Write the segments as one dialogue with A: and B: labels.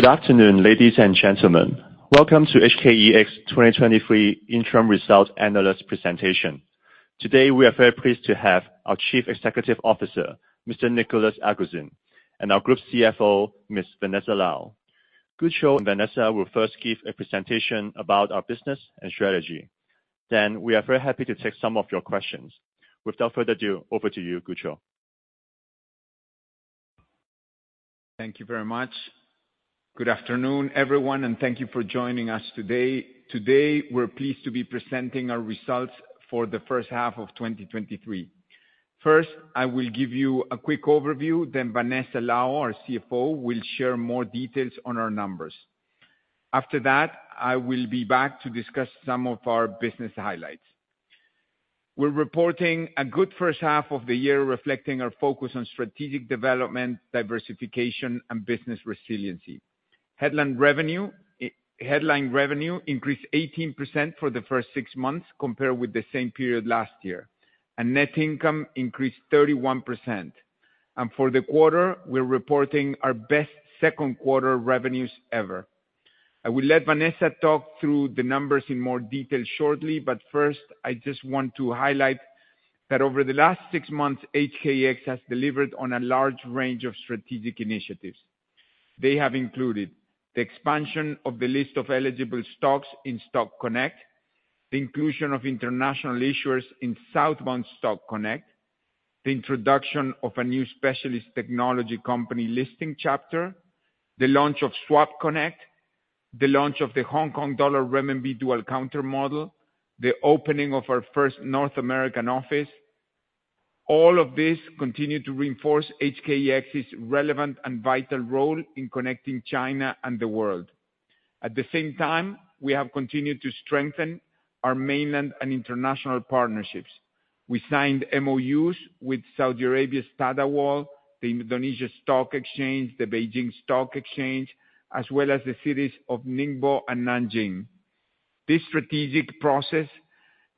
A: Good afternoon, ladies and gentlemen. Welcome to HKEX 2023 Interim Results Analyst Presentation. Today, we are very pleased to have our Chief Executive Officer, Mr. Nicolas Aguzin, and our Group CFO, Ms. Vanessa Lau. Gucho and Vanessa will first give a presentation about our business and strategy. We are very happy to take some of your questions. Without further ado, over to you, Gucho.
B: Thank you very much. Good afternoon, everyone, and thank you for joining us today. Today, we're pleased to be presenting our results for the first half of 2023. First, I will give you a quick overview, then Vanessa Lau, our CFO, will share more details on our numbers. After that, I will be back to discuss some of our business highlights. We're reporting a good first half of the year, reflecting our focus on strategic development, diversification, and business resiliency. Headline revenue, headline revenue increased 18% for the 6 months compared with the same period last year, and net income increased 31%. For the quarter, we're reporting our best second quarter revenues ever. I will let Vanessa talk through the numbers in more detail shortly, but first, I just want to highlight that over the last six months, HKEX has delivered on a large range of strategic initiatives. They have included the expansion of the list of eligible stocks in Stock Connect, the inclusion of international issuers in Southbound Stock Connect, the introduction of a new Specialist Technology Company listing chapter, the launch of Swap Connect, the launch of the Hong Kong Dollar-Renminbi Dual Counter Model, the opening of our first North American office. All of this continued to reinforce HKEX's relevant and vital role in connecting China and the world. At the same time, we have continued to strengthen our mainland and international partnerships. We signed MOUs with Saudi Arabia's Tadawul, the Indonesia Stock Exchange, the Beijing Stock Exchange, as well as the cities of Ningbo and Nanjing. This strategic process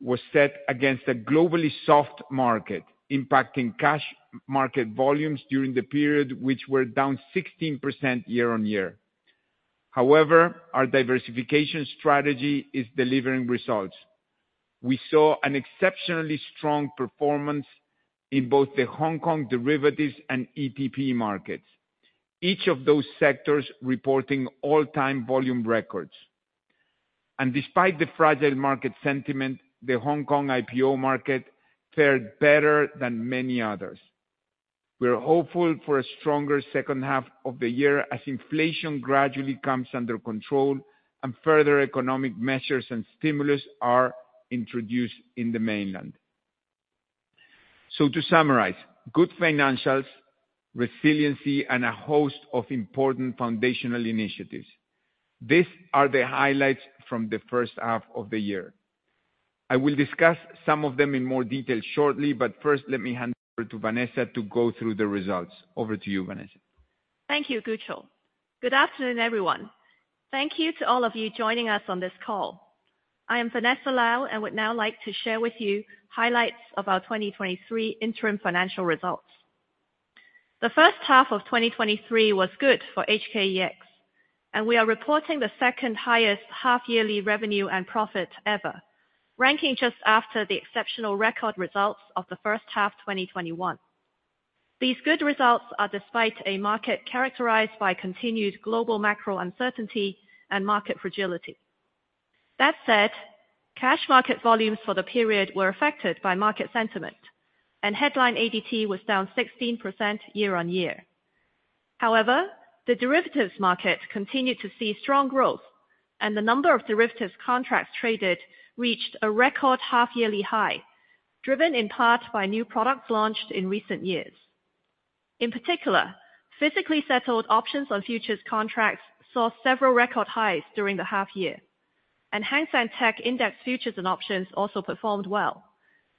B: was set against a globally soft market, impacting cash market volumes during the period, which were down 16% year-on-year. Our diversification strategy is delivering results. We saw an exceptionally strong performance in both the Hong Kong derivatives and ETP markets, each of those sectors reporting all-time volume records. Despite the fragile market sentiment, the Hong Kong IPO market fared better than many others. We're hopeful for a stronger second half of the year as inflation gradually comes under control and further economic measures and stimulus are introduced in the Mainland. To summarize, good financials, resiliency, and a host of important foundational initiatives. These are the highlights from the first half of the year. I will discuss some of them in more detail shortly, first, let me hand over to Vanessa to go through the results. Over to you, Vanessa.
C: Thank you, Gucho. Good afternoon, everyone. Thank you to all of you joining us on this call. I am Vanessa Lau, and would now like to share with you highlights of our 2023 interim financial results. The first half of 2023 was good for HKEX, and we are reporting the second highest half-yearly revenue and profit ever, ranking just after the exceptional record results of the first half 2021. These good results are despite a market characterized by continued global macro uncertainty and market fragility. That said, cash market volumes for the period were affected by market sentiment, and headline ADT was down 16% year-on-year. However, the derivatives market continued to see strong growth, and the number of derivatives contracts traded reached a record half-yearly high, driven in part by new products launched in recent years. In particular, physically settled Options on Futures Contracts saw several record highs during the half year. Hang Seng TECH Index futures and options also performed well,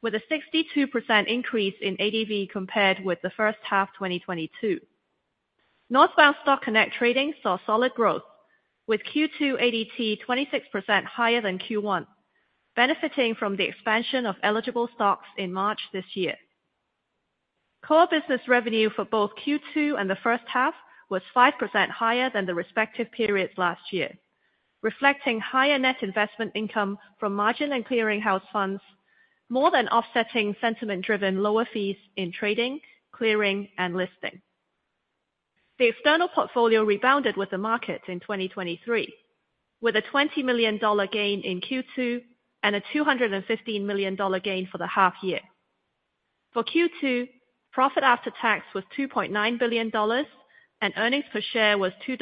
C: with a 62% increase in ADV compared with the first half 2022. Northbound Stock Connect trading saw solid growth, with Q2 ADT 26% higher than Q1, benefiting from the expansion of eligible stocks in March this year. Core business revenue for both Q2 and the first half was 5% higher than the respective periods last year, reflecting higher net investment income from margin and clearing house funds, more than offsetting sentiment-driven lower fees in trading, clearing, and listing. The external portfolio rebounded with the market in 2023, with a $20 million gain in Q2 and a $215 million gain for the half year. For Q2, profit after tax was 2.9 billion dollars, and earnings per share was 2.29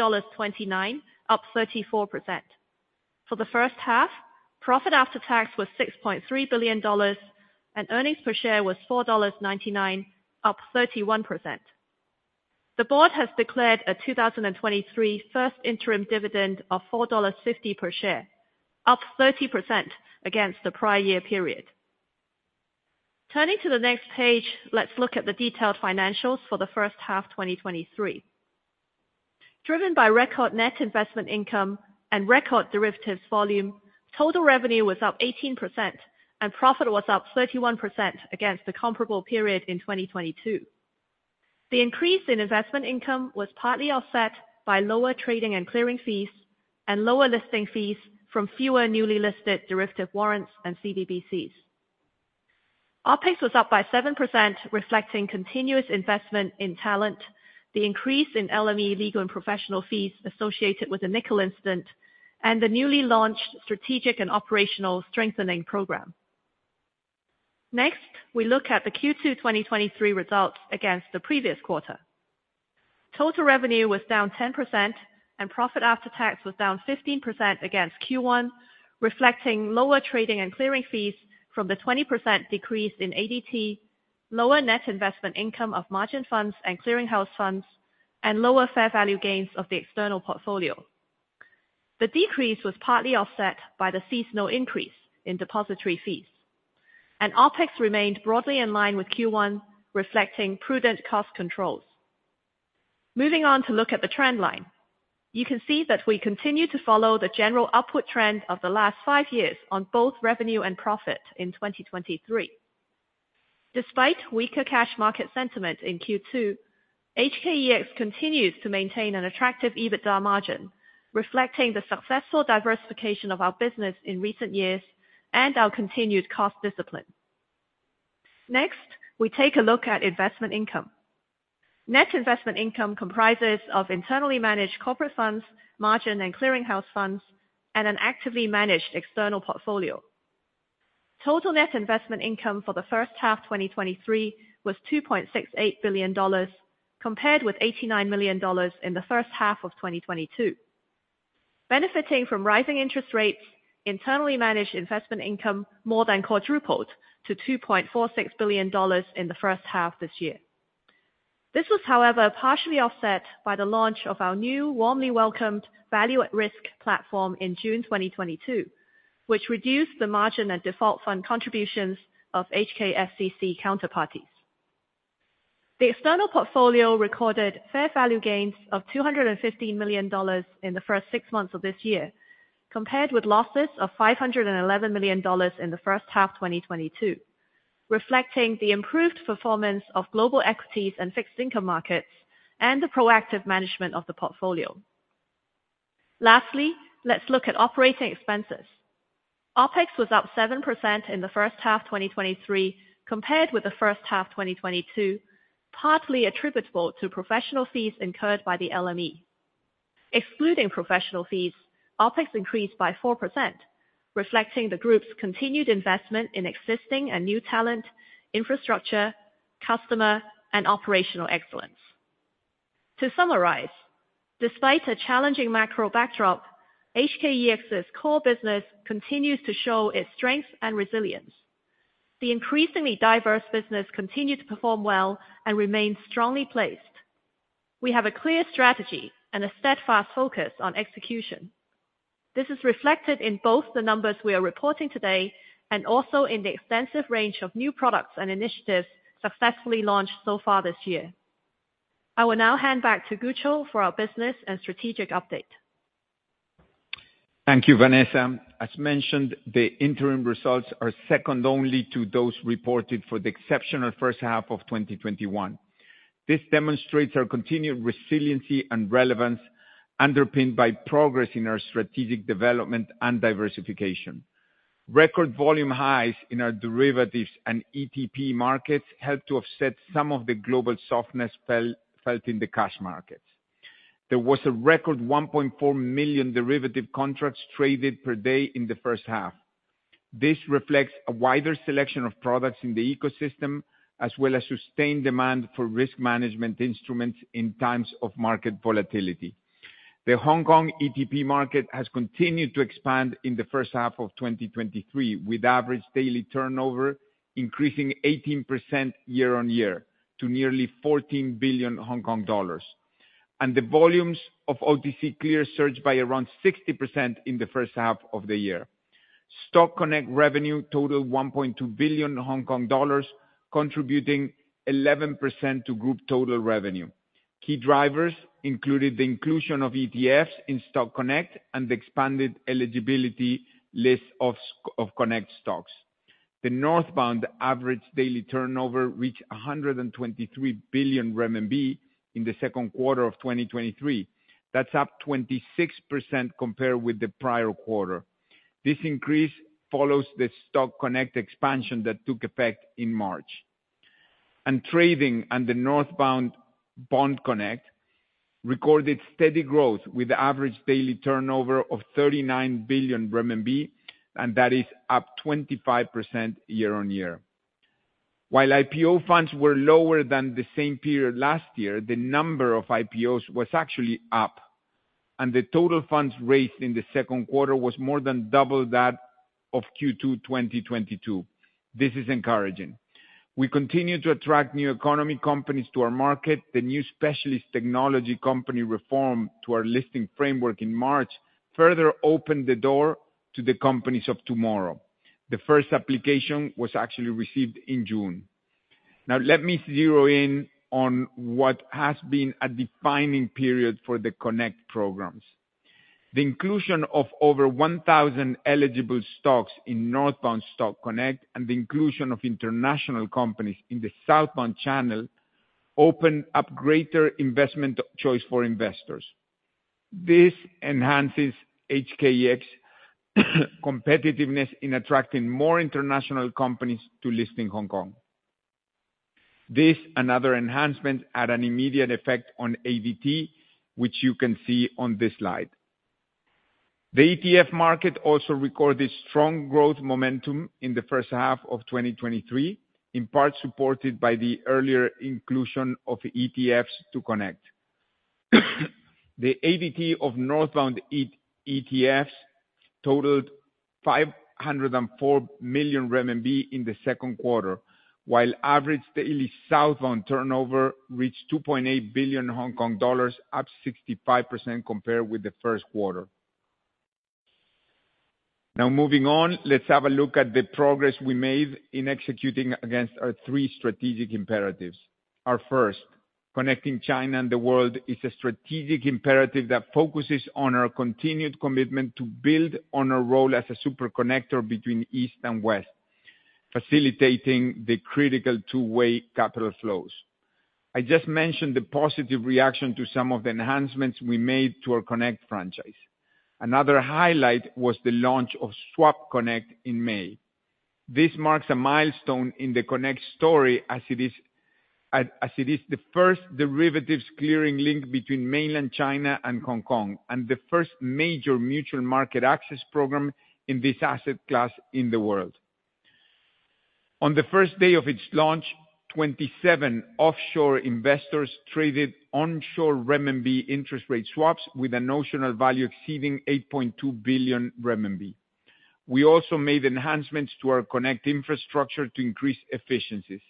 C: dollars, up 34%. For the first half, profit after tax was 6.3 billion dollars, and earnings per share was 4.99 dollars, up 31%. The Board has declared a 2023 first interim dividend of 4.50 dollars per share, up 30% against the prior year period. Turning to the next page, let's look at the detailed financials for the first half, 2023. Driven by record net investment income and record derivatives volume. Total revenue was up 18%, and profit was up 31% against the comparable period in 2022. The increase in investment income was partly offset by lower trading and clearing fees, and lower listing fees from fewer newly listed derivative warrants and CBBCs. OPEX was up by 7%, reflecting continuous investment in talent, the increase in LME legal and professional fees associated with the nickel incident, and the newly launched strategic and operational strengthening program. We look at the Q2-2023 results against the previous quarter. Total revenue was down 10%, and profit after tax was down 15% against Q1, reflecting lower trading and clearing fees from the 20% decrease in ADT, lower net investment income of margin funds and clearinghouse funds, and lower fair value gains of the external portfolio. The decrease was partly offset by the seasonal increase in depository fees, and OPEX remained broadly in line with Q1, reflecting prudent cost controls. Moving on to look at the trend line, you can see that we continue to follow the general upward trend of the last five years on both revenue and profit in 2023. Despite weaker cash market sentiment in Q2, HKEX continues to maintain an attractive EBITDA margin, reflecting the successful diversification of our business in recent years and our continued cost discipline. Next, we take a look at investment income. Net investment income comprises of internally managed corporate funds, margin and clearinghouse funds, and an actively managed external portfolio. Total net investment income for the first half 2023 was $2.68 billion, compared with $89 million in the first half of 2022. Benefiting from rising interest rates, internally managed investment income more than quadrupled to $2.46 billion in the first half this year. This was, however, partially offset by the launch of our new warmly welcomed Value at Risk platform in June 2022, which reduced the margin and default fund contributions of HKSCC counterparties. The external portfolio recorded fair value gains of 250 million dollars in the first 6 months of this year, compared with losses of 511 million dollars in the first half 2022, reflecting the improved performance of global equities and fixed income markets, and the proactive management of the portfolio. Lastly, let's look at operating expenses. OPEX was up 7% in the first half 2023, compared with the first half 2022, partly attributable to professional fees incurred by the LME. Excluding professional fees, OPEX increased by 4%, reflecting the group's continued investment in existing and new talent, infrastructure, customer, and operational excellence. To summarize, despite a challenging macro backdrop, HKEX's core business continues to show its strength and resilience. The increasingly diverse business continued to perform well and remain strongly placed. We have a clear strategy and a steadfast focus on execution. This is reflected in both the numbers we are reporting today, and also in the extensive range of new products and initiatives successfully launched so far this year. I will now hand back to Nicolas Aguzin for our business and strategic update.
B: Thank you, Vanessa. As mentioned, the interim results are second only to those reported for the exceptional first half of 2021. This demonstrates our continued resiliency and relevance, underpinned by progress in our strategic development and diversification. Record volume highs in our derivatives and ETP markets helped to offset some of the global softness felt in the cash markets. There was a record 1.4 million derivative contracts traded per day in the first half. This reflects a wider selection of products in the ecosystem, as well as sustained demand for risk management instruments in times of market volatility. The Hong Kong ETP market has continued to expand in the first half of 2023, with average daily turnover increasing 18% year-on-year to nearly 14 billion Hong Kong dollars. The volumes of OTC Clear surged by around 60% in the first half of the year. Stock Connect revenue totaled 1.2 billion Hong Kong dollars, contributing 11% to group total revenue. Key drivers included the inclusion of ETFs in Stock Connect and the expanded eligibility list of Connect stocks. The Northbound average daily turnover reached 123 billion RMB in the second quarter of 2023. That's up 26% compared with the prior quarter. This increase follows the Stock Connect expansion that took effect in March. Trading on the Northbound Bond Connect recorded steady growth with average daily turnover of 39 billion RMB, and that is up 25% year-on-year. While IPO funds were lower than the same period last year, the number of IPOs was actually up, and the total funds raised in the second quarter was more than double that of Q2 2022. This is encouraging. We continue to attract new economy companies to our market. The new Specialist Technology Company reform to our listing framework in March further opened the door to the companies of tomorrow. The first application was actually received in June. Now, let me zero in on what has been a defining period for the Connect programs. The inclusion of over 1,000 eligible stocks in Northbound Stock Connect, and the inclusion of international companies in the Southbound channel, opened up greater investment choice for investors. This enhances HKEX competitiveness in attracting more international companies to list in Hong Kong. This and other enhancements had an immediate effect on ADT, which you can see on this slide. The ETF market also recorded strong growth momentum in the first half of 2023, in part supported by the earlier inclusion of ETFs to Connect. The ADT of Northbound ETFs totaled 504 million RMB in the second quarter, while average daily Southbound turnover reached 2.8 billion Hong Kong dollars, up 65% compared with the first quarter. Now, moving on, let's have a look at the progress we made in executing against our three strategic imperatives. Our first, connecting China and the world, is a strategic imperative that focuses on our continued commitment to build on our role as a super connector between East and West, facilitating the critical two-way capital flows. I just mentioned the positive reaction to some of the enhancements we made to our Connect franchise. Another highlight was the launch of Swap Connect in May. This marks a milestone in the Connect story, as it is, as it is the first derivatives clearing link between mainland China and Hong Kong, and the first major mutual market access program in this asset class in the world. On the first day of its launch, 27 offshore investors traded onshore RMB interest rate swaps with a notional value exceeding 8.2 billion renminbi. We also made enhancements to our Connect infrastructure to increase efficiencies.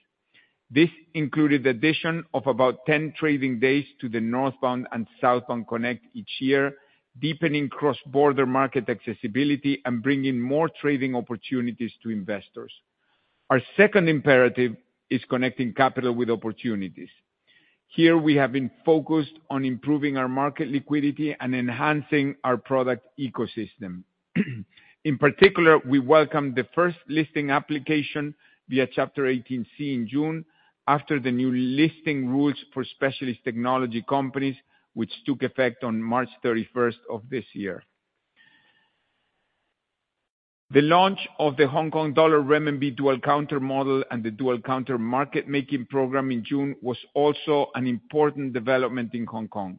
B: This included the addition of about 10 trading days to the Northbound and Southbound Connect each year, deepening cross-border market accessibility and bringing more trading opportunities to investors. Our second imperative is connecting capital with opportunities. Here, we have been focused on improving our market liquidity and enhancing our product ecosystem. In particular, we welcome the first listing application via Chapter 18C in June, after the new listing rules for Specialist Technology Companies, which took effect on March 31st of this year. The launch of the Hong Kong Dollar-Renminbi Dual Counter Model and the Dual Counter Market Making Programme in June, was also an important development in Hong Kong.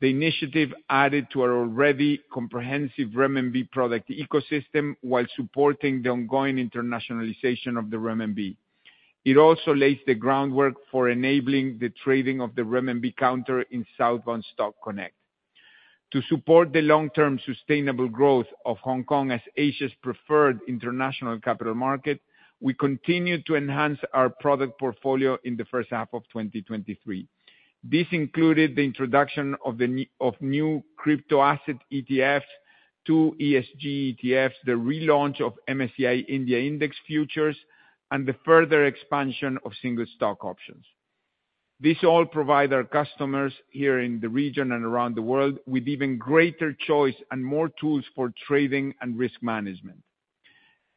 B: The initiative added to our already comprehensive renminbi product ecosystem, while supporting the ongoing internationalization of the renminbi. It also lays the groundwork for enabling the trading of the renminbi counter in Southbound Stock Connect. To support the long-term sustainable growth of Hong Kong as Asia's preferred international capital market, we continue to enhance our product portfolio in the first half of 2023. This included the introduction of new crypto asset ETFs, 2 ESG ETFs, the relaunch of MSCI India Index Futures, the further expansion of single stock options. This all provide our customers here in the region and around the world, with even greater choice and more tools for trading and risk management.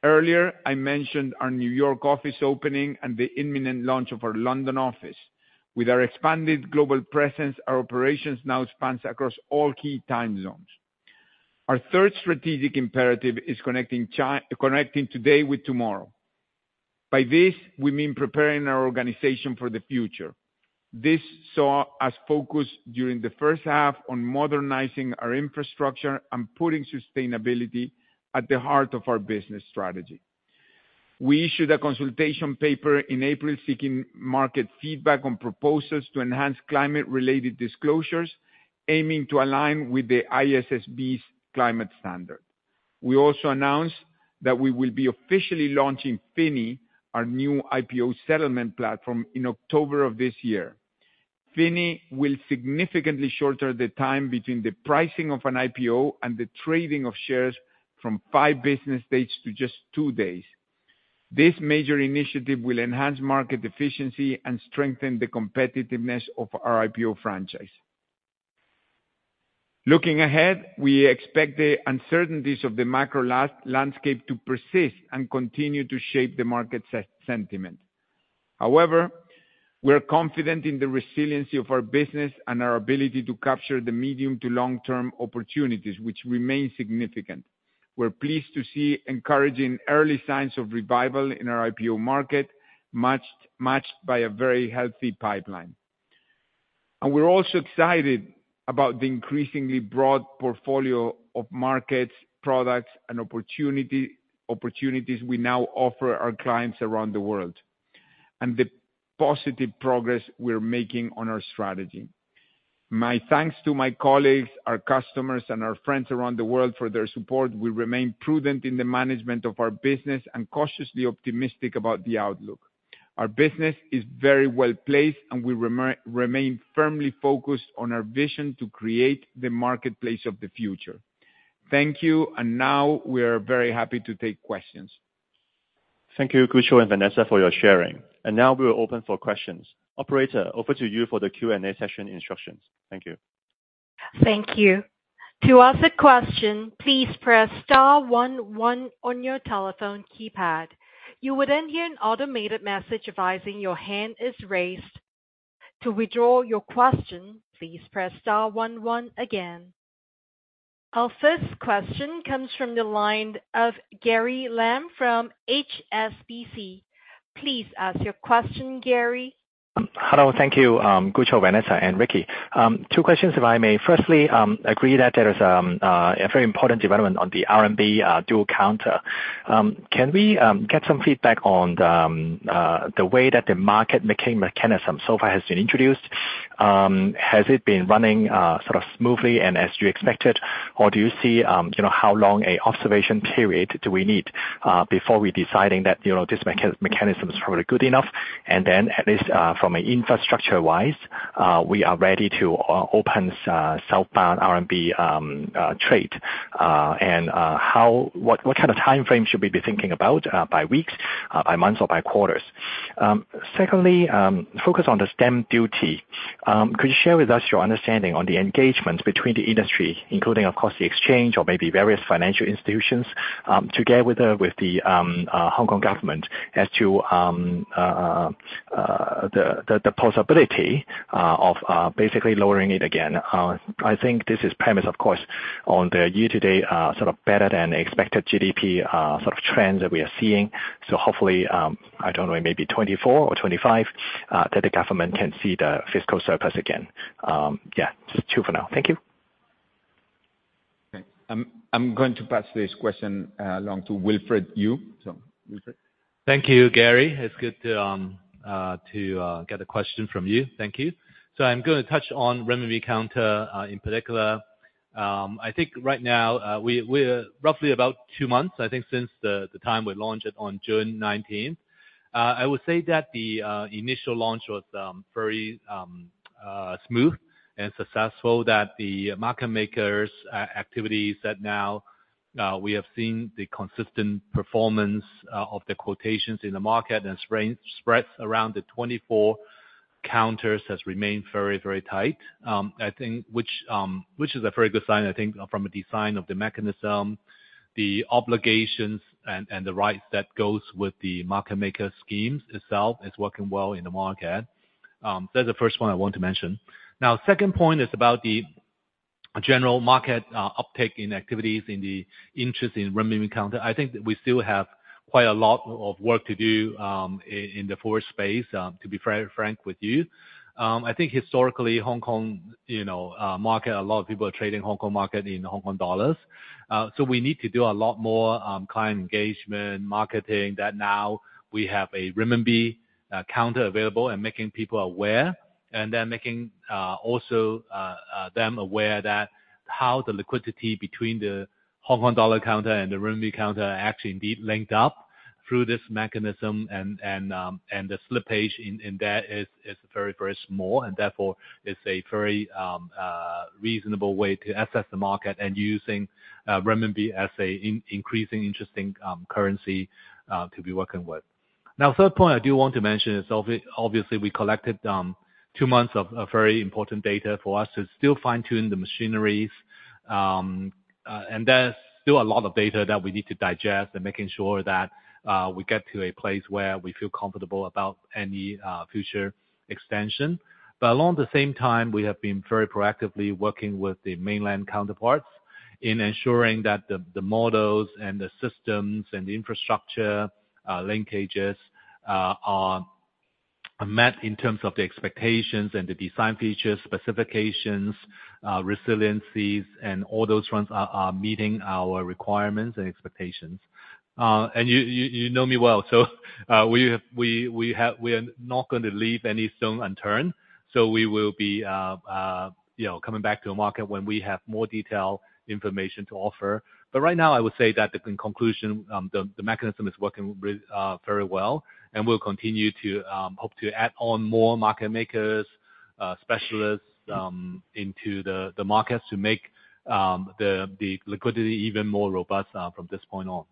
B: Earlier, I mentioned our New York office opening and the imminent launch of our London office. With our expanded global presence, our operations now spans across all key time zones. Our third strategic imperative is connecting today with tomorrow. By this, we mean preparing our organization for the future. This saw us focus during the first half on modernizing our infrastructure and putting sustainability at the heart of our business strategy. We issued a consultation paper in April, seeking market feedback on proposals to enhance climate-related disclosures, aiming to align with the ISSB's climate standard. We also announced that we will be officially launching FINI, our new IPO settlement platform, in October of this year. FINI will significantly shorter the time between the pricing of an IPO and the trading of shares from 5 business days to just 2 days. This major initiative will enhance market efficiency and strengthen the competitiveness of our IPO franchise. Looking ahead, we expect the uncertainties of the macro landscape to persist and continue to shape the market sentiment. However, we're confident in the resiliency of our business and our ability to capture the medium to long-term opportunities, which remain significant. We're pleased to see encouraging early signs of revival in our IPO market, matched, matched by a very healthy pipeline. We're also excited about the increasingly broad portfolio of markets, products, and opportunities we now offer our clients around the world, and the positive progress we're making on our strategy. My thanks to my colleagues, our customers, and our friends around the world for their support. We remain prudent in the management of our business and cautiously optimistic about the outlook. Our business is very well placed, and we remain firmly focused on our vision to create the marketplace of the future. Thank you. Now we are very happy to take questions.
A: Thank you, Gucho and Vanessa, for your sharing. Now we are open for questions. Operator, over to you for the Q&A session instructions. Thank you. Thank you. To ask a question, please press star one one on your telephone keypad. You will then hear an automated message advising your hand is raised. To withdraw your question, please press star one one again. Our first question comes from the line of Gary Lam from HSBC. Please ask your question, Gary.
D: Hello. Thank you, Gucho, Vanessa, and Ricky. Two questions, if I may. Firstly, agree that there is a very important development on the RMB dual counter. Can we get some feedback on the way that the market making mechanism so far has been introduced? Has it been running sort of smoothly, and as you expected, or do you see, you know, how long a observation period do we need before we deciding that, you know, this mechanism is probably good enough? At least, from an infrastructure-wise, we are ready to open southbound RMB trade. How, what, what kind of timeframe should we be thinking about by weeks, by months, or by quarters? Secondly, focus on the stamp duty. Could you share with us your understanding on the engagement between the industry, including, of course, the exchange or maybe various financial institutions, together with the, with the Hong Kong government as to the possibility of basically lowering it again? I think this is premise, of course, on the year-to-date sort of better than expected GDP sort of trends that we are seeing. Hopefully, I don't know, it may be 2024 or 2025 that the government can see the fiscal surplus again. Yeah, just 2 for now. Thank you.
B: Okay. I'm going to pass this question along to Wilfred Yiu. So Wilfred?
E: Thank you, Gary. It's good to get a question from you. Thank you. I'm gonna touch on Renminbi counter in particular. I think right now, we, we're roughly about 2 months, I think, since the time we launched it on June 19th. I would say that the initial launch was very smooth and successful, that the market makers activities that now we have seen the consistent performance of the quotations in the market and spreads around the 24 counters has remained very, very tight. I think, which is a very good sign, I think, from a design of the mechanism, the obligations and the rights that goes with the market maker schemes itself, is working well in the market. That's the first one I want to mention. Now, second point is about the general market, uptick in activities in the interest in renminbi counter. I think that we still have quite a lot of work to do, in, in the forward space, to be very frank with you. I think historically, Hong Kong, you know, market, a lot of people are trading Hong Kong market in Hong Kong dollars. We need to do a lot more, client engagement, marketing, that now we have a renminbi, counter available, and making people aware. Making also them aware that how the liquidity between the Hong Kong dollar counter and the renminbi counter are actually indeed linked up through this mechanism, and the slippage in that is very, very small, and therefore it's a very reasonable way to access the market and using renminbi as a increasing interesting currency to be working with. Third point I do want to mention is obviously, we collected two months of very important data for us to still fine-tune the machineries. There's still a lot of data that we need to digest, and making sure that we get to a place where we feel comfortable about any future extension. Along the same time, we have been very proactively working with the mainland counterparts in ensuring that the, the models and the systems and the infrastructure, linkages, are, are met in terms of the expectations and the design features, specifications, resiliencies, and all those ones are, are meeting our requirements and expectations. You, you, you know me well, so we have, we, we have, we are not going to leave any stone unturned, so we will be, you know, coming back to the market when we have more detailed information to offer. Right now, I would say that the conclusion, the mechanism is working very well, and we'll continue to hope to add on more market makers, specialists into the markets to make the liquidity even more robust from this point on.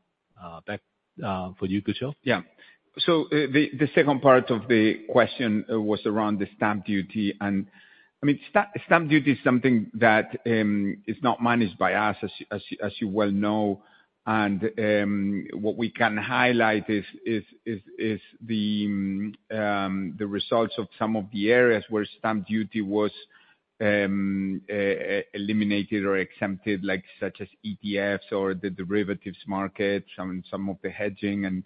E: Back for you, Gucho?
B: Yeah. The second part of the question was around the stamp duty, and I mean, stamp duty is something that is not managed by us, as you well know. What we can highlight is the results of some of the areas where stamp duty was eliminated or exempted, like such as ETFs or the derivatives market, some, some of the hedging and, and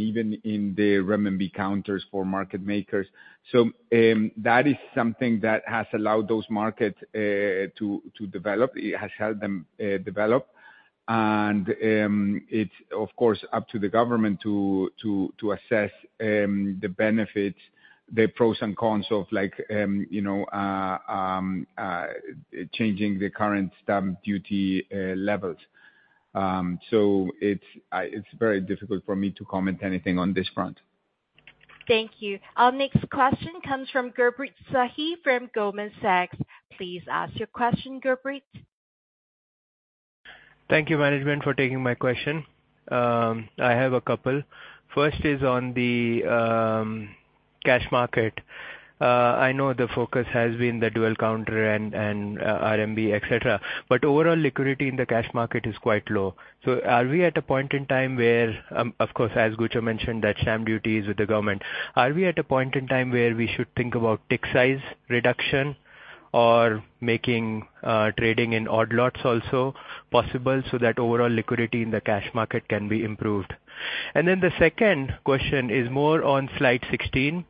B: even in the renminbi counters for market makers. That is something that has allowed those markets to develop. It has helped them develop. It's, of course, up to the government to assess the benefits, the pros and cons of like, you know, changing the current stamp duty levels. It's very difficult for me to comment anything on this front....
A: Thank You. Our next question comes from Gurpreet Sahi from Goldman Sachs. Please ask your question, Gurpreet.
F: Thank you, management, for taking my question. I have a couple. First is on the cash market. I know the focus has been the dual counter and, and RMB, et cetera, but overall liquidity in the cash market is quite low. Are we at a point in time where, of course, as Nicolas Aguzin mentioned, that stamp duty is with the government, are we at a point in time where we should think about tick size reduction or making trading in odd lots also possible, so that overall liquidity in the cash market can be improved? The second question is more on slide 16,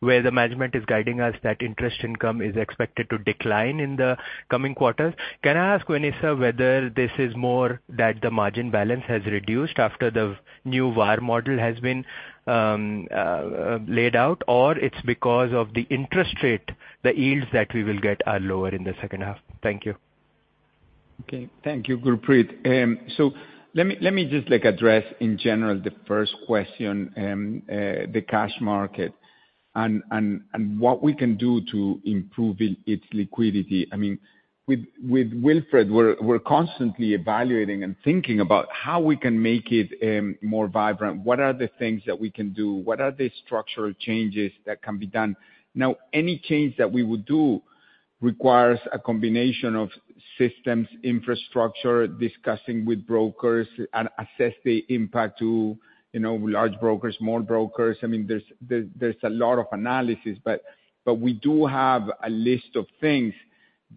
F: where the management is guiding us, that interest income is expected to decline in the coming quarters. Can I ask Vanessa, whether this is more that the margin balance has reduced after the new VaR model has been laid out, or it's because of the interest rate, the yields that we will get are lower in the second half? Thank you.
B: Okay. Thank you, Gurpreet. Let me, let me just, like, address in general the first question, the cash market and, and, and what we can do to improve it, its liquidity. I mean, with, with Wilfred, we're, we're constantly evaluating and thinking about how we can make it, more vibrant. What are the things that we can do? What are the structural changes that can be done? Now, any change that we would do requires a combination of systems, infrastructure, discussing with brokers, and assess the impact to, you know, large brokers, small brokers. I mean, there's, there's, there's a lot of analysis, but, but we do have a list of things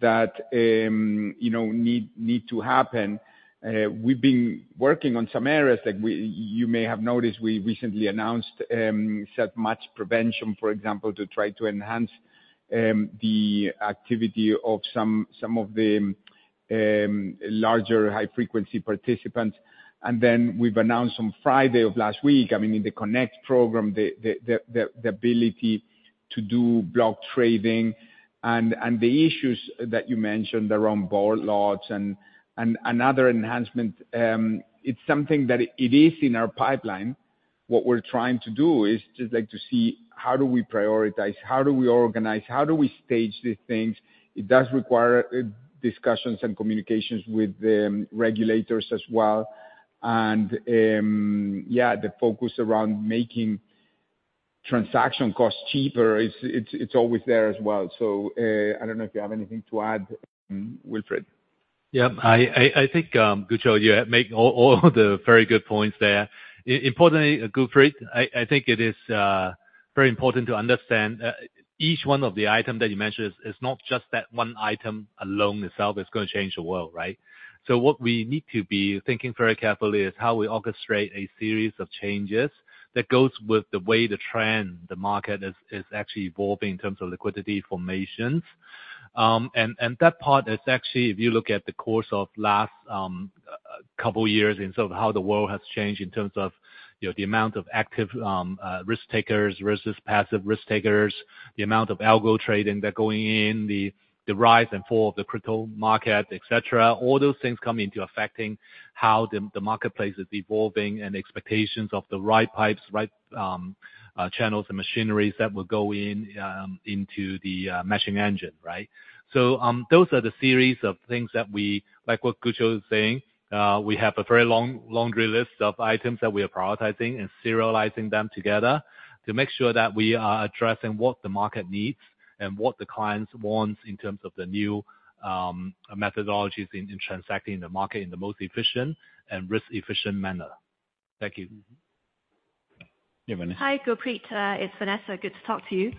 B: that, you know, need, need to happen. We've been working on some areas that you may have noticed, we recently announced, Self-Match Prevention, for example, to try to enhance the activity of some, some of the larger high-frequency participants. Then we've announced on Friday of last week, I mean, in the Connect program, the ability to do block trading and, and the issues that you mentioned around board lots and, and another enhancement, it's something that it is in our pipeline. What we're trying to do is just, like, to see how do we prioritize, how do we organize, how do we stage these things? It does require discussions and communications with the regulators as well. Yeah, the focus around making transaction costs cheaper is, it's, it's always there as well. I don't know if you have anything to add, Wilfred.
E: Yeah. I, I, I think, Gucho, you make all, all the very good points there. Importantly, Gurpreet Sahi, I, I think it is very important to understand, each one of the item that you mentioned is not just that one item alone itself is gonna change the world, right? So what we need to be thinking very carefully is how we orchestrate a series of changes that goes with the way the trend, the market is, is actually evolving in terms of liquidity formations. And that part is actually, if you look at the course of last couple years in sort of how the world has changed in terms of, you know, the amount of active risk takers versus passive risk takers, the amount of algo trading that going in, the, the rise and fall of the crypto market, et cetera, all those things come into affecting how the, the marketplace is evolving and the expectations of the right pipes, right, channels and machineries that will go in into the matching engine, right? Those are the series of things that we, like what Gucho is saying, we have a very long laundry list of items that we are prioritizing and serializing them together, to make sure that we are addressing what the market needs and what the clients want in terms of the new methodologies in, in transacting the market in the most efficient and risk-efficient manner. Thank you.
B: Yeah, Vanessa.
C: Hi, Gurpreet, it's Vanessa. Good to talk to you.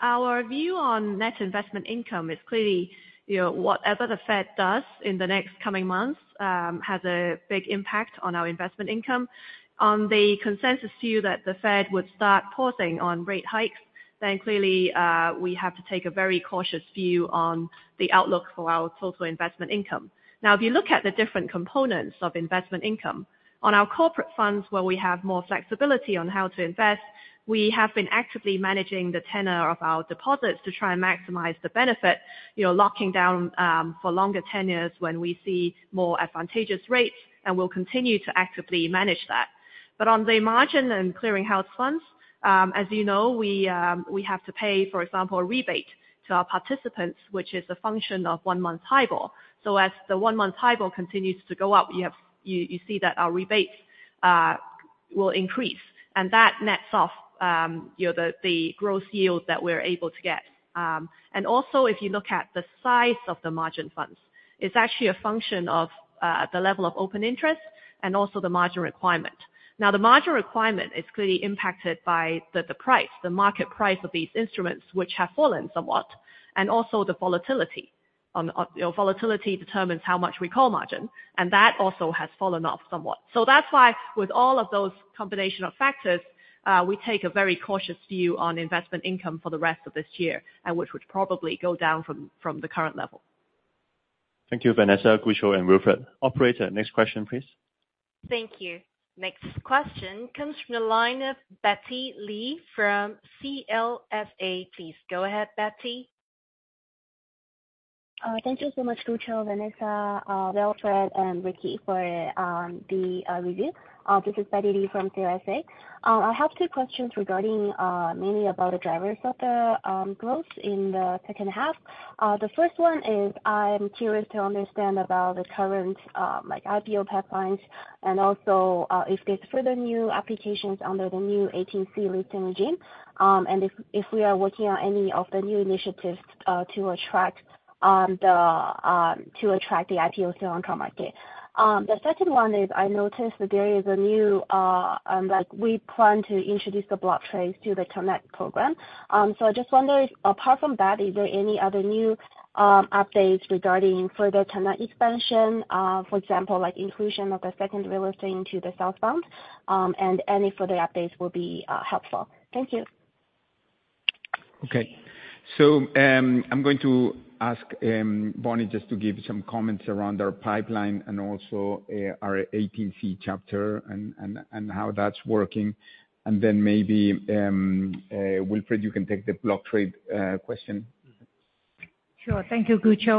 C: Our view on net investment income is clearly, you know, whatever the Fed does in the next coming months, has a big impact on our investment income. On the consensus view that the Fed would start pausing on rate hikes, clearly, we have to take a very cautious view on the outlook for our total investment income. Now, if you look at the different components of investment income, on our corporate funds, where we have more flexibility on how to invest, we have been actively managing the tenure of our deposits to try and maximize the benefit, you know, locking down for longer tenures when we see more advantageous rates, and we'll continue to actively manage that. On the margin and clearinghouse funds, as you know, we have to pay, for example, a rebate to our participants, which is a function of one-month HIBOR. As the one-month HIBOR continues to go up, you have, you, you see that our rebates will increase, and that nets off, you know, the growth yield that we're able to get. Also, if you look at the size of the margin funds, it's actually a function of the level of open interest and also the margin requirement. Now, the margin requirement is clearly impacted by the price, the market price of these instruments, which have fallen somewhat, and also the volatility. You know, volatility determines how much we call margin, and that also has fallen off somewhat. That's why, with all of those combination of factors, we take a very cautious view on investment income for the rest of this year, and which would probably go down from, from the current level.
B: Thank you, Vanessa, Gucho, and Wilfred. Operator, next question, please.
A: Thank you. Next question comes from the line of Betty Li, from CLSA. Please go ahead, Betty.
G: Thank you so much, Gucho, Vanessa, Wilfred, and Ricky for the review. This is Betty Li from CLSA. I have two questions regarding mainly about the drivers of the growth in the second half. The first one is I'm curious to understand about the current, like, IPO pipelines, and also, if there's further new applications under the new 18C listing regime, and if, if we are working on any of the new initiatives to attract the to attract the IPOs on our market. The second one is I noticed that there is a new, like, we plan to introduce the block trades to the Connect program. I just wonder if, apart from that, is there any other new updates regarding further Connect expansion, for example, like inclusion of the second real estate into the Southbound? Any further updates will be helpful. Thank you.
B: Okay. I'm going to ask, Bonnie, just to give some comments around our pipeline and also, our 18C chapter and how that's working. Maybe, Wilfred, you can take the block trade question.
H: Sure. Thank you, Gucho.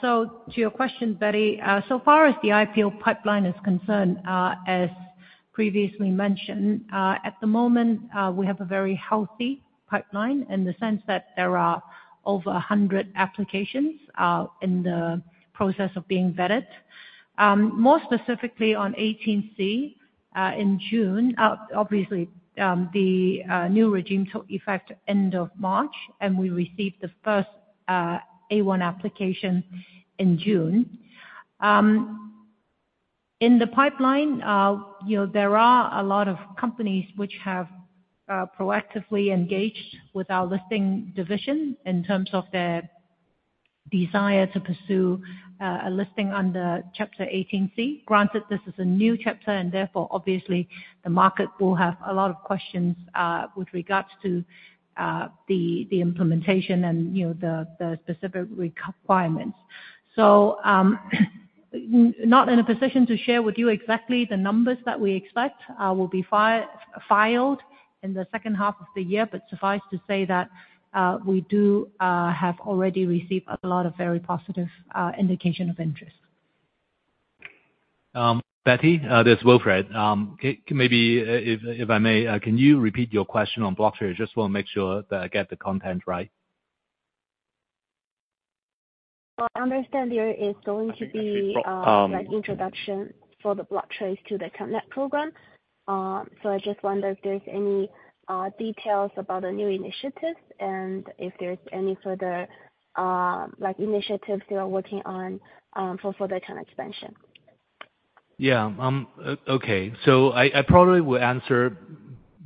H: To your question, Betty, so far as the IPO pipeline is concerned, as previously mentioned, at the moment, we have a very healthy pipeline in the sense that there are over 100 applications in the process of being vetted. More specifically on 18C in June. Obviously, the new regime took effect end of March, we received the first A1 application in June. In the pipeline, you know, there are a lot of companies which have proactively engaged with our listing division in terms of their desire to pursue a listing under Chapter 18C. Granted, this is a new chapter, therefore, obviously, the market will have a lot of questions with regards to the, the implementation and, you know, the, the specific requirements. Not in a position to share with you exactly the numbers that we expect, will be filed in the second half of the year, but suffice to say that, we do have already received a lot of very positive indication of interest.
E: Betty, this is Wilfred. Maybe, if I may, can you repeat your question on block trade? Just wanna make sure that I get the content right.
G: Well, I understand there is going to be -
E: Um-...
G: like, introduction for the block trades to the Connect program. I just wonder if there's any details about the new initiatives and if there's any further, like, initiatives you are working on, for further Connect expansion.
E: Yeah, okay. I, I probably will answer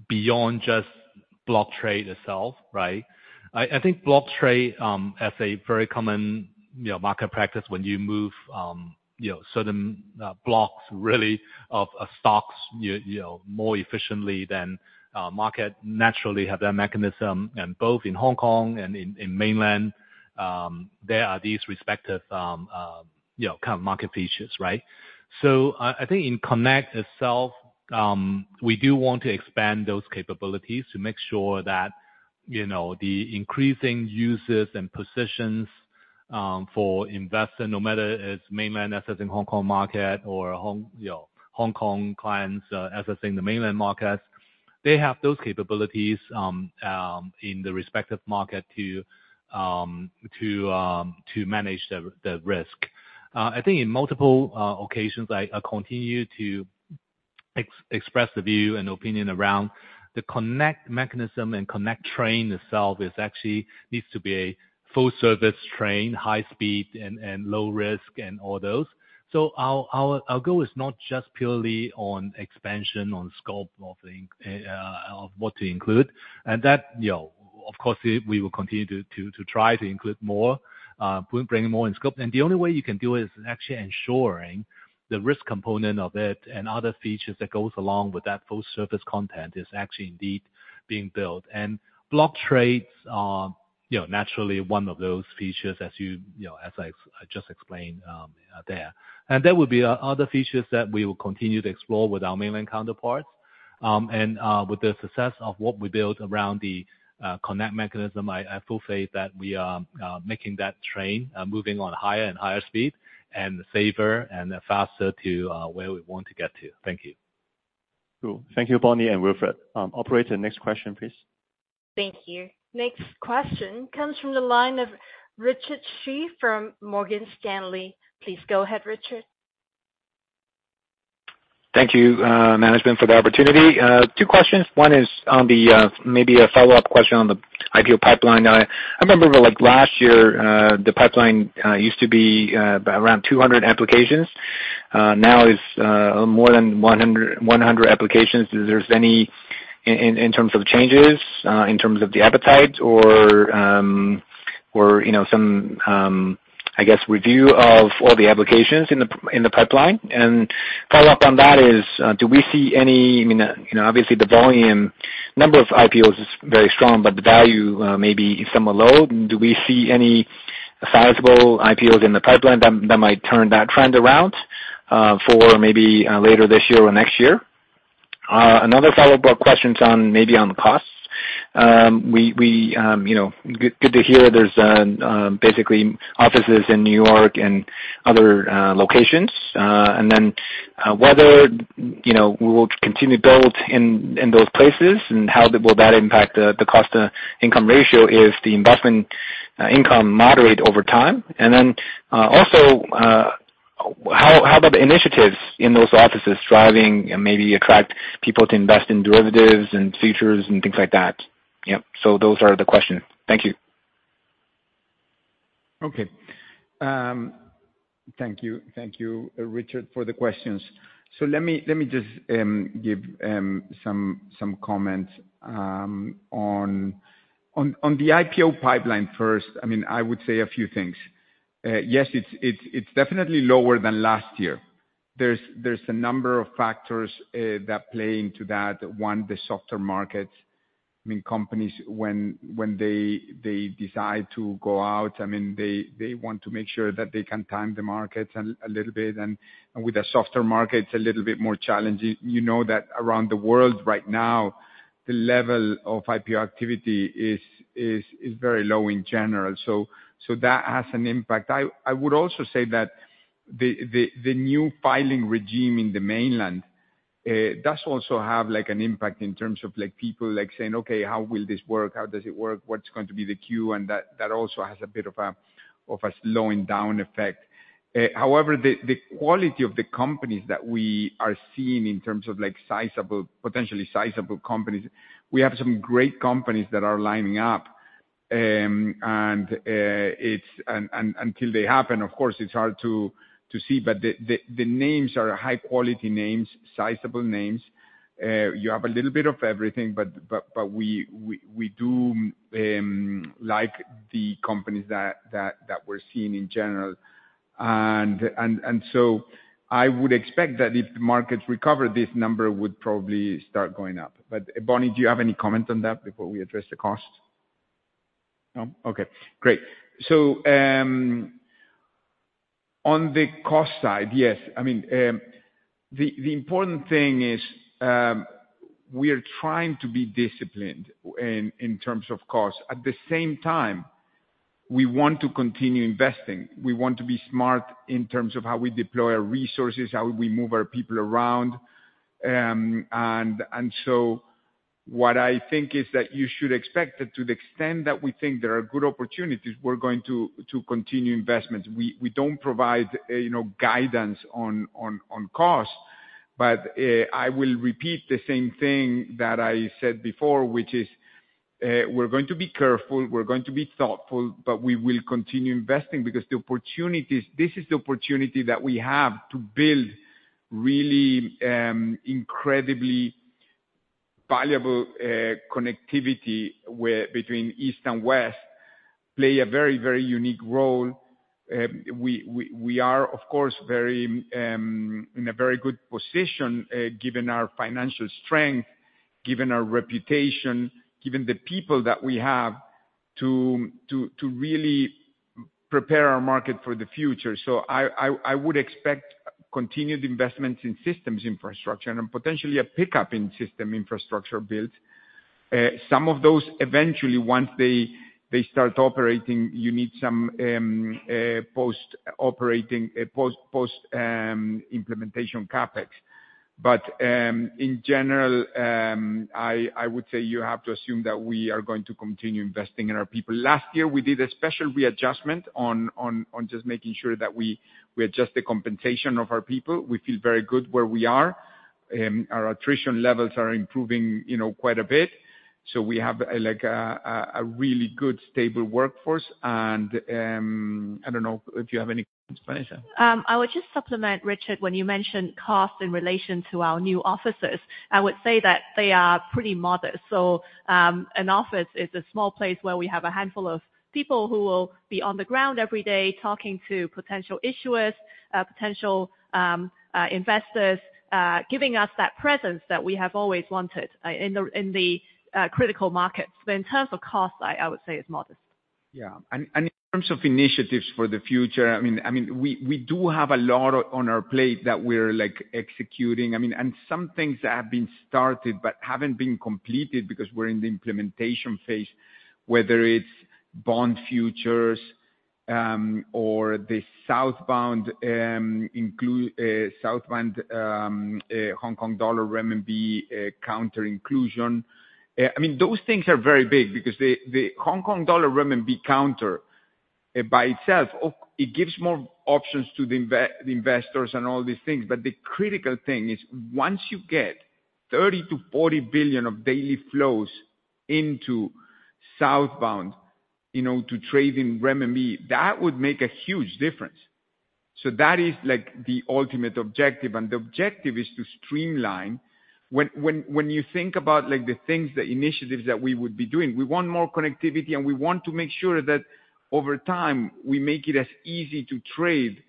E: beyond just block trade itself, right. I, I think block trade, as a very common, you know, market practice when you move, you know, certain blocks really of stocks, you know, more efficiently than market naturally have that mechanism. Both in Hong Kong and in mainland, there are these respective, you know, kind of market features, right. I, I think in Connect itself, we do want to expand those capabilities to make sure that, you know, the increasing users and positions for investors, no matter is mainland assets in Hong Kong market or Hong, you know, Hong Kong clients, assessing the mainland markets, they have those capabilities in the respective market to manage the risk. I think in multiple occasions, I continue to express the view and opinion around the Connect mechanism and Connect train itself is actually needs to be a full service train, high speed and, and low risk, and all those. Our, our, our goal is not just purely on expansion, on scope of thing, of what to include, and that, you know, of course, we will continue to, to, to try to include more, bring more in scope. The only way you can do is actually ensuring the risk component of it and other features that goes along with that full service content is actually indeed being built. Block trades are, you know, naturally one of those features as you, you know, as I, I just explained there. There will be other features that we will continue to explore with our mainland counterparts. With the success of what we built around the Connect mechanism, I have full faith that we are making that train moving on higher and higher speed, and safer and faster to where we want to get to. Thank you.
B: Cool. Thank you, Bonnie and Wilfred. Operator, next question, please.
G: Thank you.
A: Next question comes from the line of Richard Xu from Morgan Stanley. Please go ahead, Richard.
I: Thank you, management, for the opportunity. Two questions. One is on the, maybe a follow-up question on the IPO pipeline. I remember, like, last year, the pipeline used to be around 200 applications. Now it's more than 100, 100 applications. Is there any... In terms of changes, in terms of the appetite or, or, you know, some, I guess, review of all the applications in the pipeline? And follow-up on that is, do we see any... I mean, you know, obviously the volume, number of IPOs is very strong, but the value may be somewhat low. Do we see any sizable IPOs in the pipeline that, that might turn that trend around, for maybe, later this year or next year? Another follow-up question on, maybe on the costs. We, we, you know, good, good to hear there's basically offices in New York and other locations. Whether, you know, we will continue to build in, in those places, and how will that impact the cost-to-income ratio if the investment income moderate over time? Also, how, how about the initiatives in those offices driving and maybe attract people to invest in derivatives and futures and things like that? Yeah, those are the questions. Thank you.
B: Okay. Thank you. Thank you, Richard, for the questions. Let me, let me just give some comments on the IPO pipeline first. I mean, I would say a few things. Yes, it's definitely lower than last year. There's a number of factors that play into that. One, the softer market. I mean, companies, when they decide to go out, I mean, they want to make sure that they can time the market a little bit, and with the softer market, it's a little bit more challenging. You know that around the world right now, the level of IPO activity is very low in general, so that has an impact. I would also say that the new filing regime in the Mainland does also have, like, an impact in terms of, like, people, like, saying, "Okay, how will this work? How does it work? What's going to be the queue?" That also has a bit of a, of a slowing down effect. However, the quality of the companies that we are seeing in terms of, like, sizable, potentially sizable companies, we have some great companies that are lining up, and it's. Until they happen, of course, it's hard to, to see. The names are high-quality names, sizable names. You have a little bit of everything, but we do like the companies that we're seeing in general. I would expect that if the market recover, this number would probably start going up. Bonnie, do you have any comment on that before we address the cost? No? Okay, great. On the cost side, yes. I mean, the important thing is, we are trying to be disciplined in terms of cost. At the same time, we want to continue investing. We want to be smart in terms of how we deploy our resources, how we move our people around. What I think is that you should expect that to the extent that we think there are good opportunities, we're going to, to continue investments. We, we don't provide, you know, guidance on, on, on cost, but I will repeat the same thing that I said before, which is, we're going to be careful, we're going to be thoughtful, but we will continue investing because the opportunities. This is the opportunity that we have to build really, incredibly valuable, connectivity where between East and West, play a very, very unique role. We, we, we are, of course, very, in a very good position, given our financial strength, given our reputation, given the people that we have, to, to, to really prepare our market for the future. I, I, I would expect continued investments in systems infrastructure, and then potentially a pickup in system infrastructure build. Some of those, eventually, once they start operating, you need some post-operating, post implementation CapEx. In general, I would say you have to assume that we are going to continue investing in our people. Last year, we did a special readjustment on just making sure that we adjust the compensation of our people. We feel very good where we are. Our attrition levels are improving, you know, quite a bit, so we have, like, a really good, stable workforce. I don't know if you have any explanation.
C: ement, Richard, when you mentioned cost in relation to our new offices, I would say that they are pretty modest. An office is a small place where we have a handful of people who will be on the ground every day, talking to potential issuers, potential investors, giving us that presence that we have always wanted in the critical markets. But in terms of cost, I would say it's modest
B: Yeah. In terms of initiatives for the future, I mean, I mean, we, we do have a lot on our plate that we're, like, executing. I mean, some things that have been started but haven't been completed because we're in the implementation phase, whether it's bond futures, or the Southbound, Hong Kong Dollar Renminbi Counter inclusion. I mean, those things are very big because the, the Hong Kong Dollar Renminbi Counter, by itself, it gives more options to the investors and all these things, but the critical thing is, once you get 30 billion-40 billion of daily flows into Southbound, you know, to trade in renminbi, that would make a huge difference. That is, like, the ultimate objective, and the objective is to streamline... When, when, when you think about, like, the things, the initiatives that we would be doing, we want more connectivity, and we want to make sure that over time, we make it as easy to trade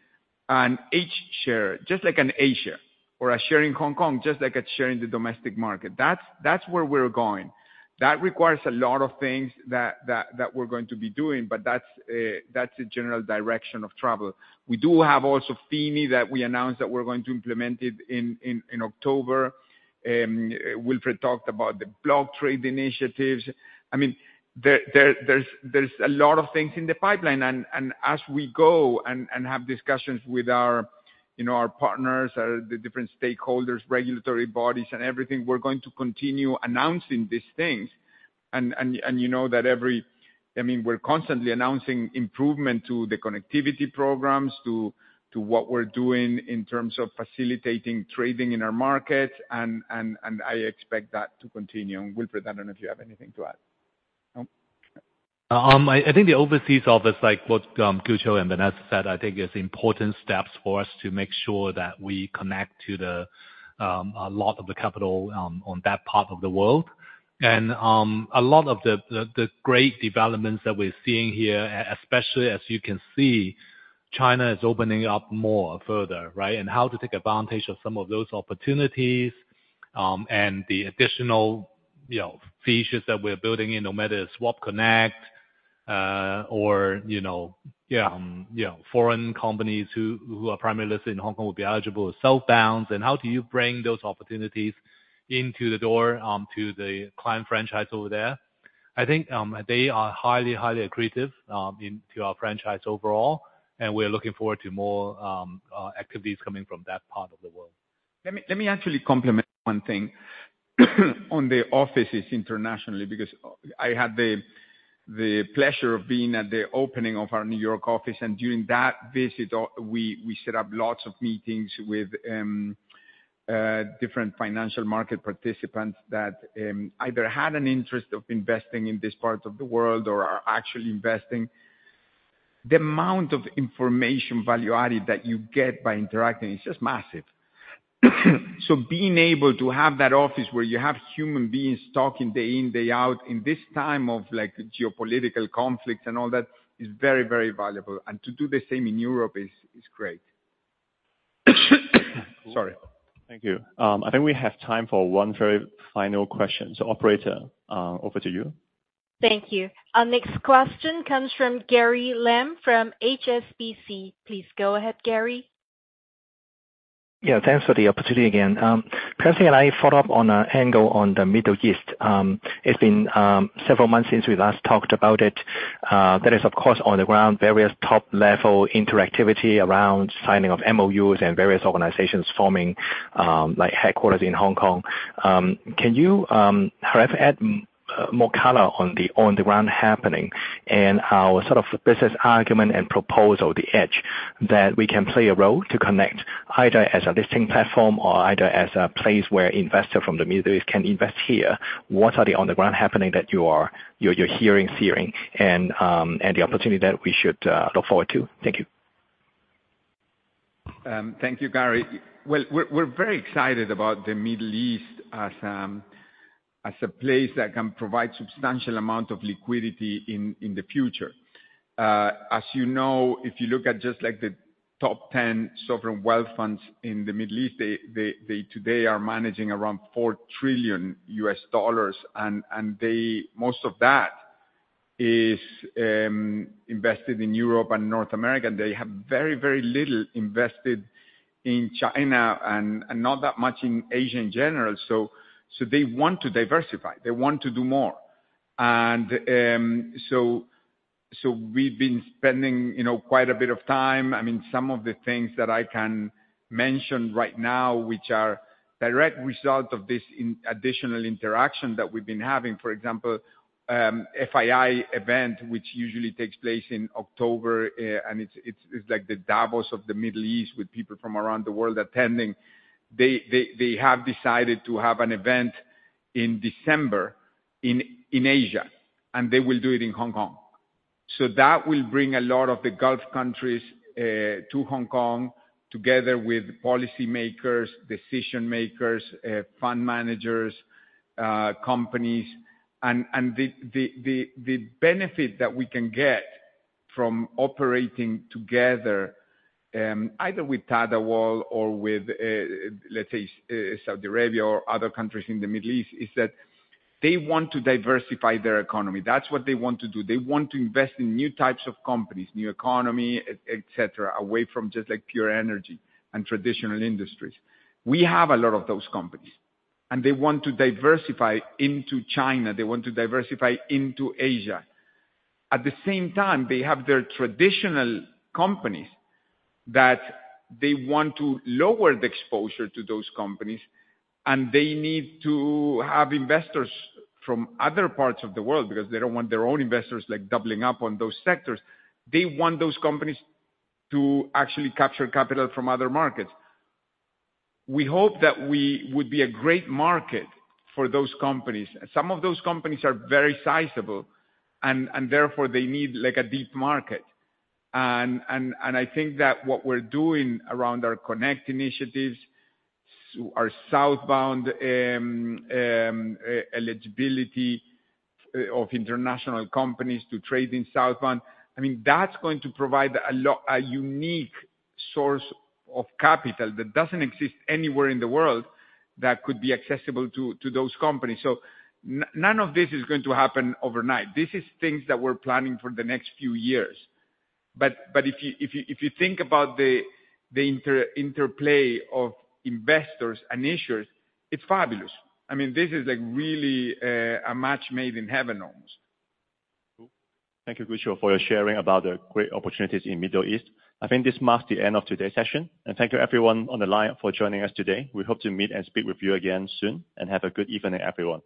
B: an H share, just like an A share or a share in Hong Kong, just like a share in the domestic market. That's, that's where we're going. That requires a lot of things that, that, that we're going to be doing, but that's the general direction of travel. We do have also FINI, that we announced that we're going to implement it in October. Wilfred talked about the block trade initiatives. I mean, there's a lot of things in the pipeline. As we go and have discussions with our, you know, our partners, the different stakeholders, regulatory bodies and everything, we're going to continue announcing these things. You know that. I mean, we're constantly announcing improvement to the connectivity programs, to what we're doing in terms of facilitating trading in our market, and I expect that to continue. Wilfred, I don't know if you have anything to add? No?
E: I think the overseas office, like what Gucho and Vanessa said, I think, is important steps for us to make sure that we connect to the a lot of the capital on that part of the world. A lot of the great developments that we're seeing here, especially as you can see, China is opening up more further, right? How to take advantage of some of those opportunities, and the additional, you know, features that we're building in, no matter Swap Connect, or you know, you know, foreign companies who are primarily listed in Hong Kong will be eligible with Southbound, and how do you bring those opportunities into the door to the client franchise over there? I think, they are highly, highly accretive, into our franchise overall, and we're looking forward to more activities coming from that part of the world.
B: Let me, let me actually complement one thing, on the offices internationally, because I had the pleasure of being at the opening of our New York office, and during that visit, we set up lots of meetings with different financial market participants that either had an interest of investing in this part of the world or are actually investing. The amount of information value added that you get by interacting is just massive. Being able to have that office where you have human beings talking day in, day out, in this time of, like, geopolitical conflicts and all that, is very, very valuable. To do the same in Europe is, is great. Sorry.
A: Thank you. I think we have time for one very final question. Operator, over to you. Thank you. Our next question comes from Gary Lam, from HSBC. Please go ahead, Gary.
D: Yeah, thanks for the opportunity again. Percy and I followed up on an angle on the Middle East. It's been several months since we last talked about it. That is, of course, on the ground, various top-level interactivity around signing of MOUs and various organizations forming, like, headquarters in Hong Kong. Can you, however, add more color on the, on-the-ground happening and our sort of business argument and proposal, the edge, that we can play a role to connect, either as a listing platform or either as a place where investors from the Middle East can invest here? What are the on-the-ground happening that you are... You're, you're hearing, seeing, and the opportunity that we should look forward to? Thank you.
B: Thank you, Gary. Well, we're, we're very excited about the Middle East as a place that can provide substantial amount of liquidity in, in the future. As you know, if you look at just, like, the top 10 sovereign wealth funds in the Middle East, they, they, they today are managing around $4 trillion. Most of that is invested in Europe and North America. They have very, very little invested in China and not that much in Asia in general. They want to diversify. They want to do more. We've been spending, you know, quite a bit of time. I mean, some of the things that I can mention right now, which are direct result of this additional interaction that we've been having, for example, FII event, which usually takes place in October, it's like the Davos of the Middle East, with people from around the world attending. They have decided to have an event in December in Asia, they will do it in Hong Kong. That will bring a lot of the Gulf countries to Hong Kong, together with policymakers, decision makers, fund managers, companies. The benefit that we can get from operating together, either with Tadawul or with, let's say, Saudi Arabia or other countries in the Middle East, is that they want to diversify their economy. That's what they want to do. They want to invest in new types of companies, new economy, et, et cetera, away from just, like, pure energy and traditional industries. We have a lot of those companies, and they want to diversify into China. They want to diversify into Asia. At the same time, they have their traditional companies that they want to lower the exposure to those companies, and they need to have investors from other parts of the world, because they don't want their own investors, like, doubling up on those sectors. They want those companies to actually capture capital from other markets. We hope that we would be a great market for those companies. Some of those companies are very sizable, and therefore, they need, like, a deep market. I think that what we're doing around our Connect initiatives, our Southbound eligibility of international companies to trade in Southbound, I mean, that's going to provide a unique source of capital that doesn't exist anywhere in the world, that could be accessible to those companies. None of this is going to happen overnight. This is things that we're planning for the next few years. If you, if you, if you think about the interplay of investors and issuers, it's fabulous. I mean, this is, like, really a match made in heaven almost.
A: Thank you, Gucho, for your sharing about the great opportunities in Middle East. I think this marks the end of today's session, thank you everyone on the line for joining us today. We hope to meet and speak with you again soon, have a good evening, everyone.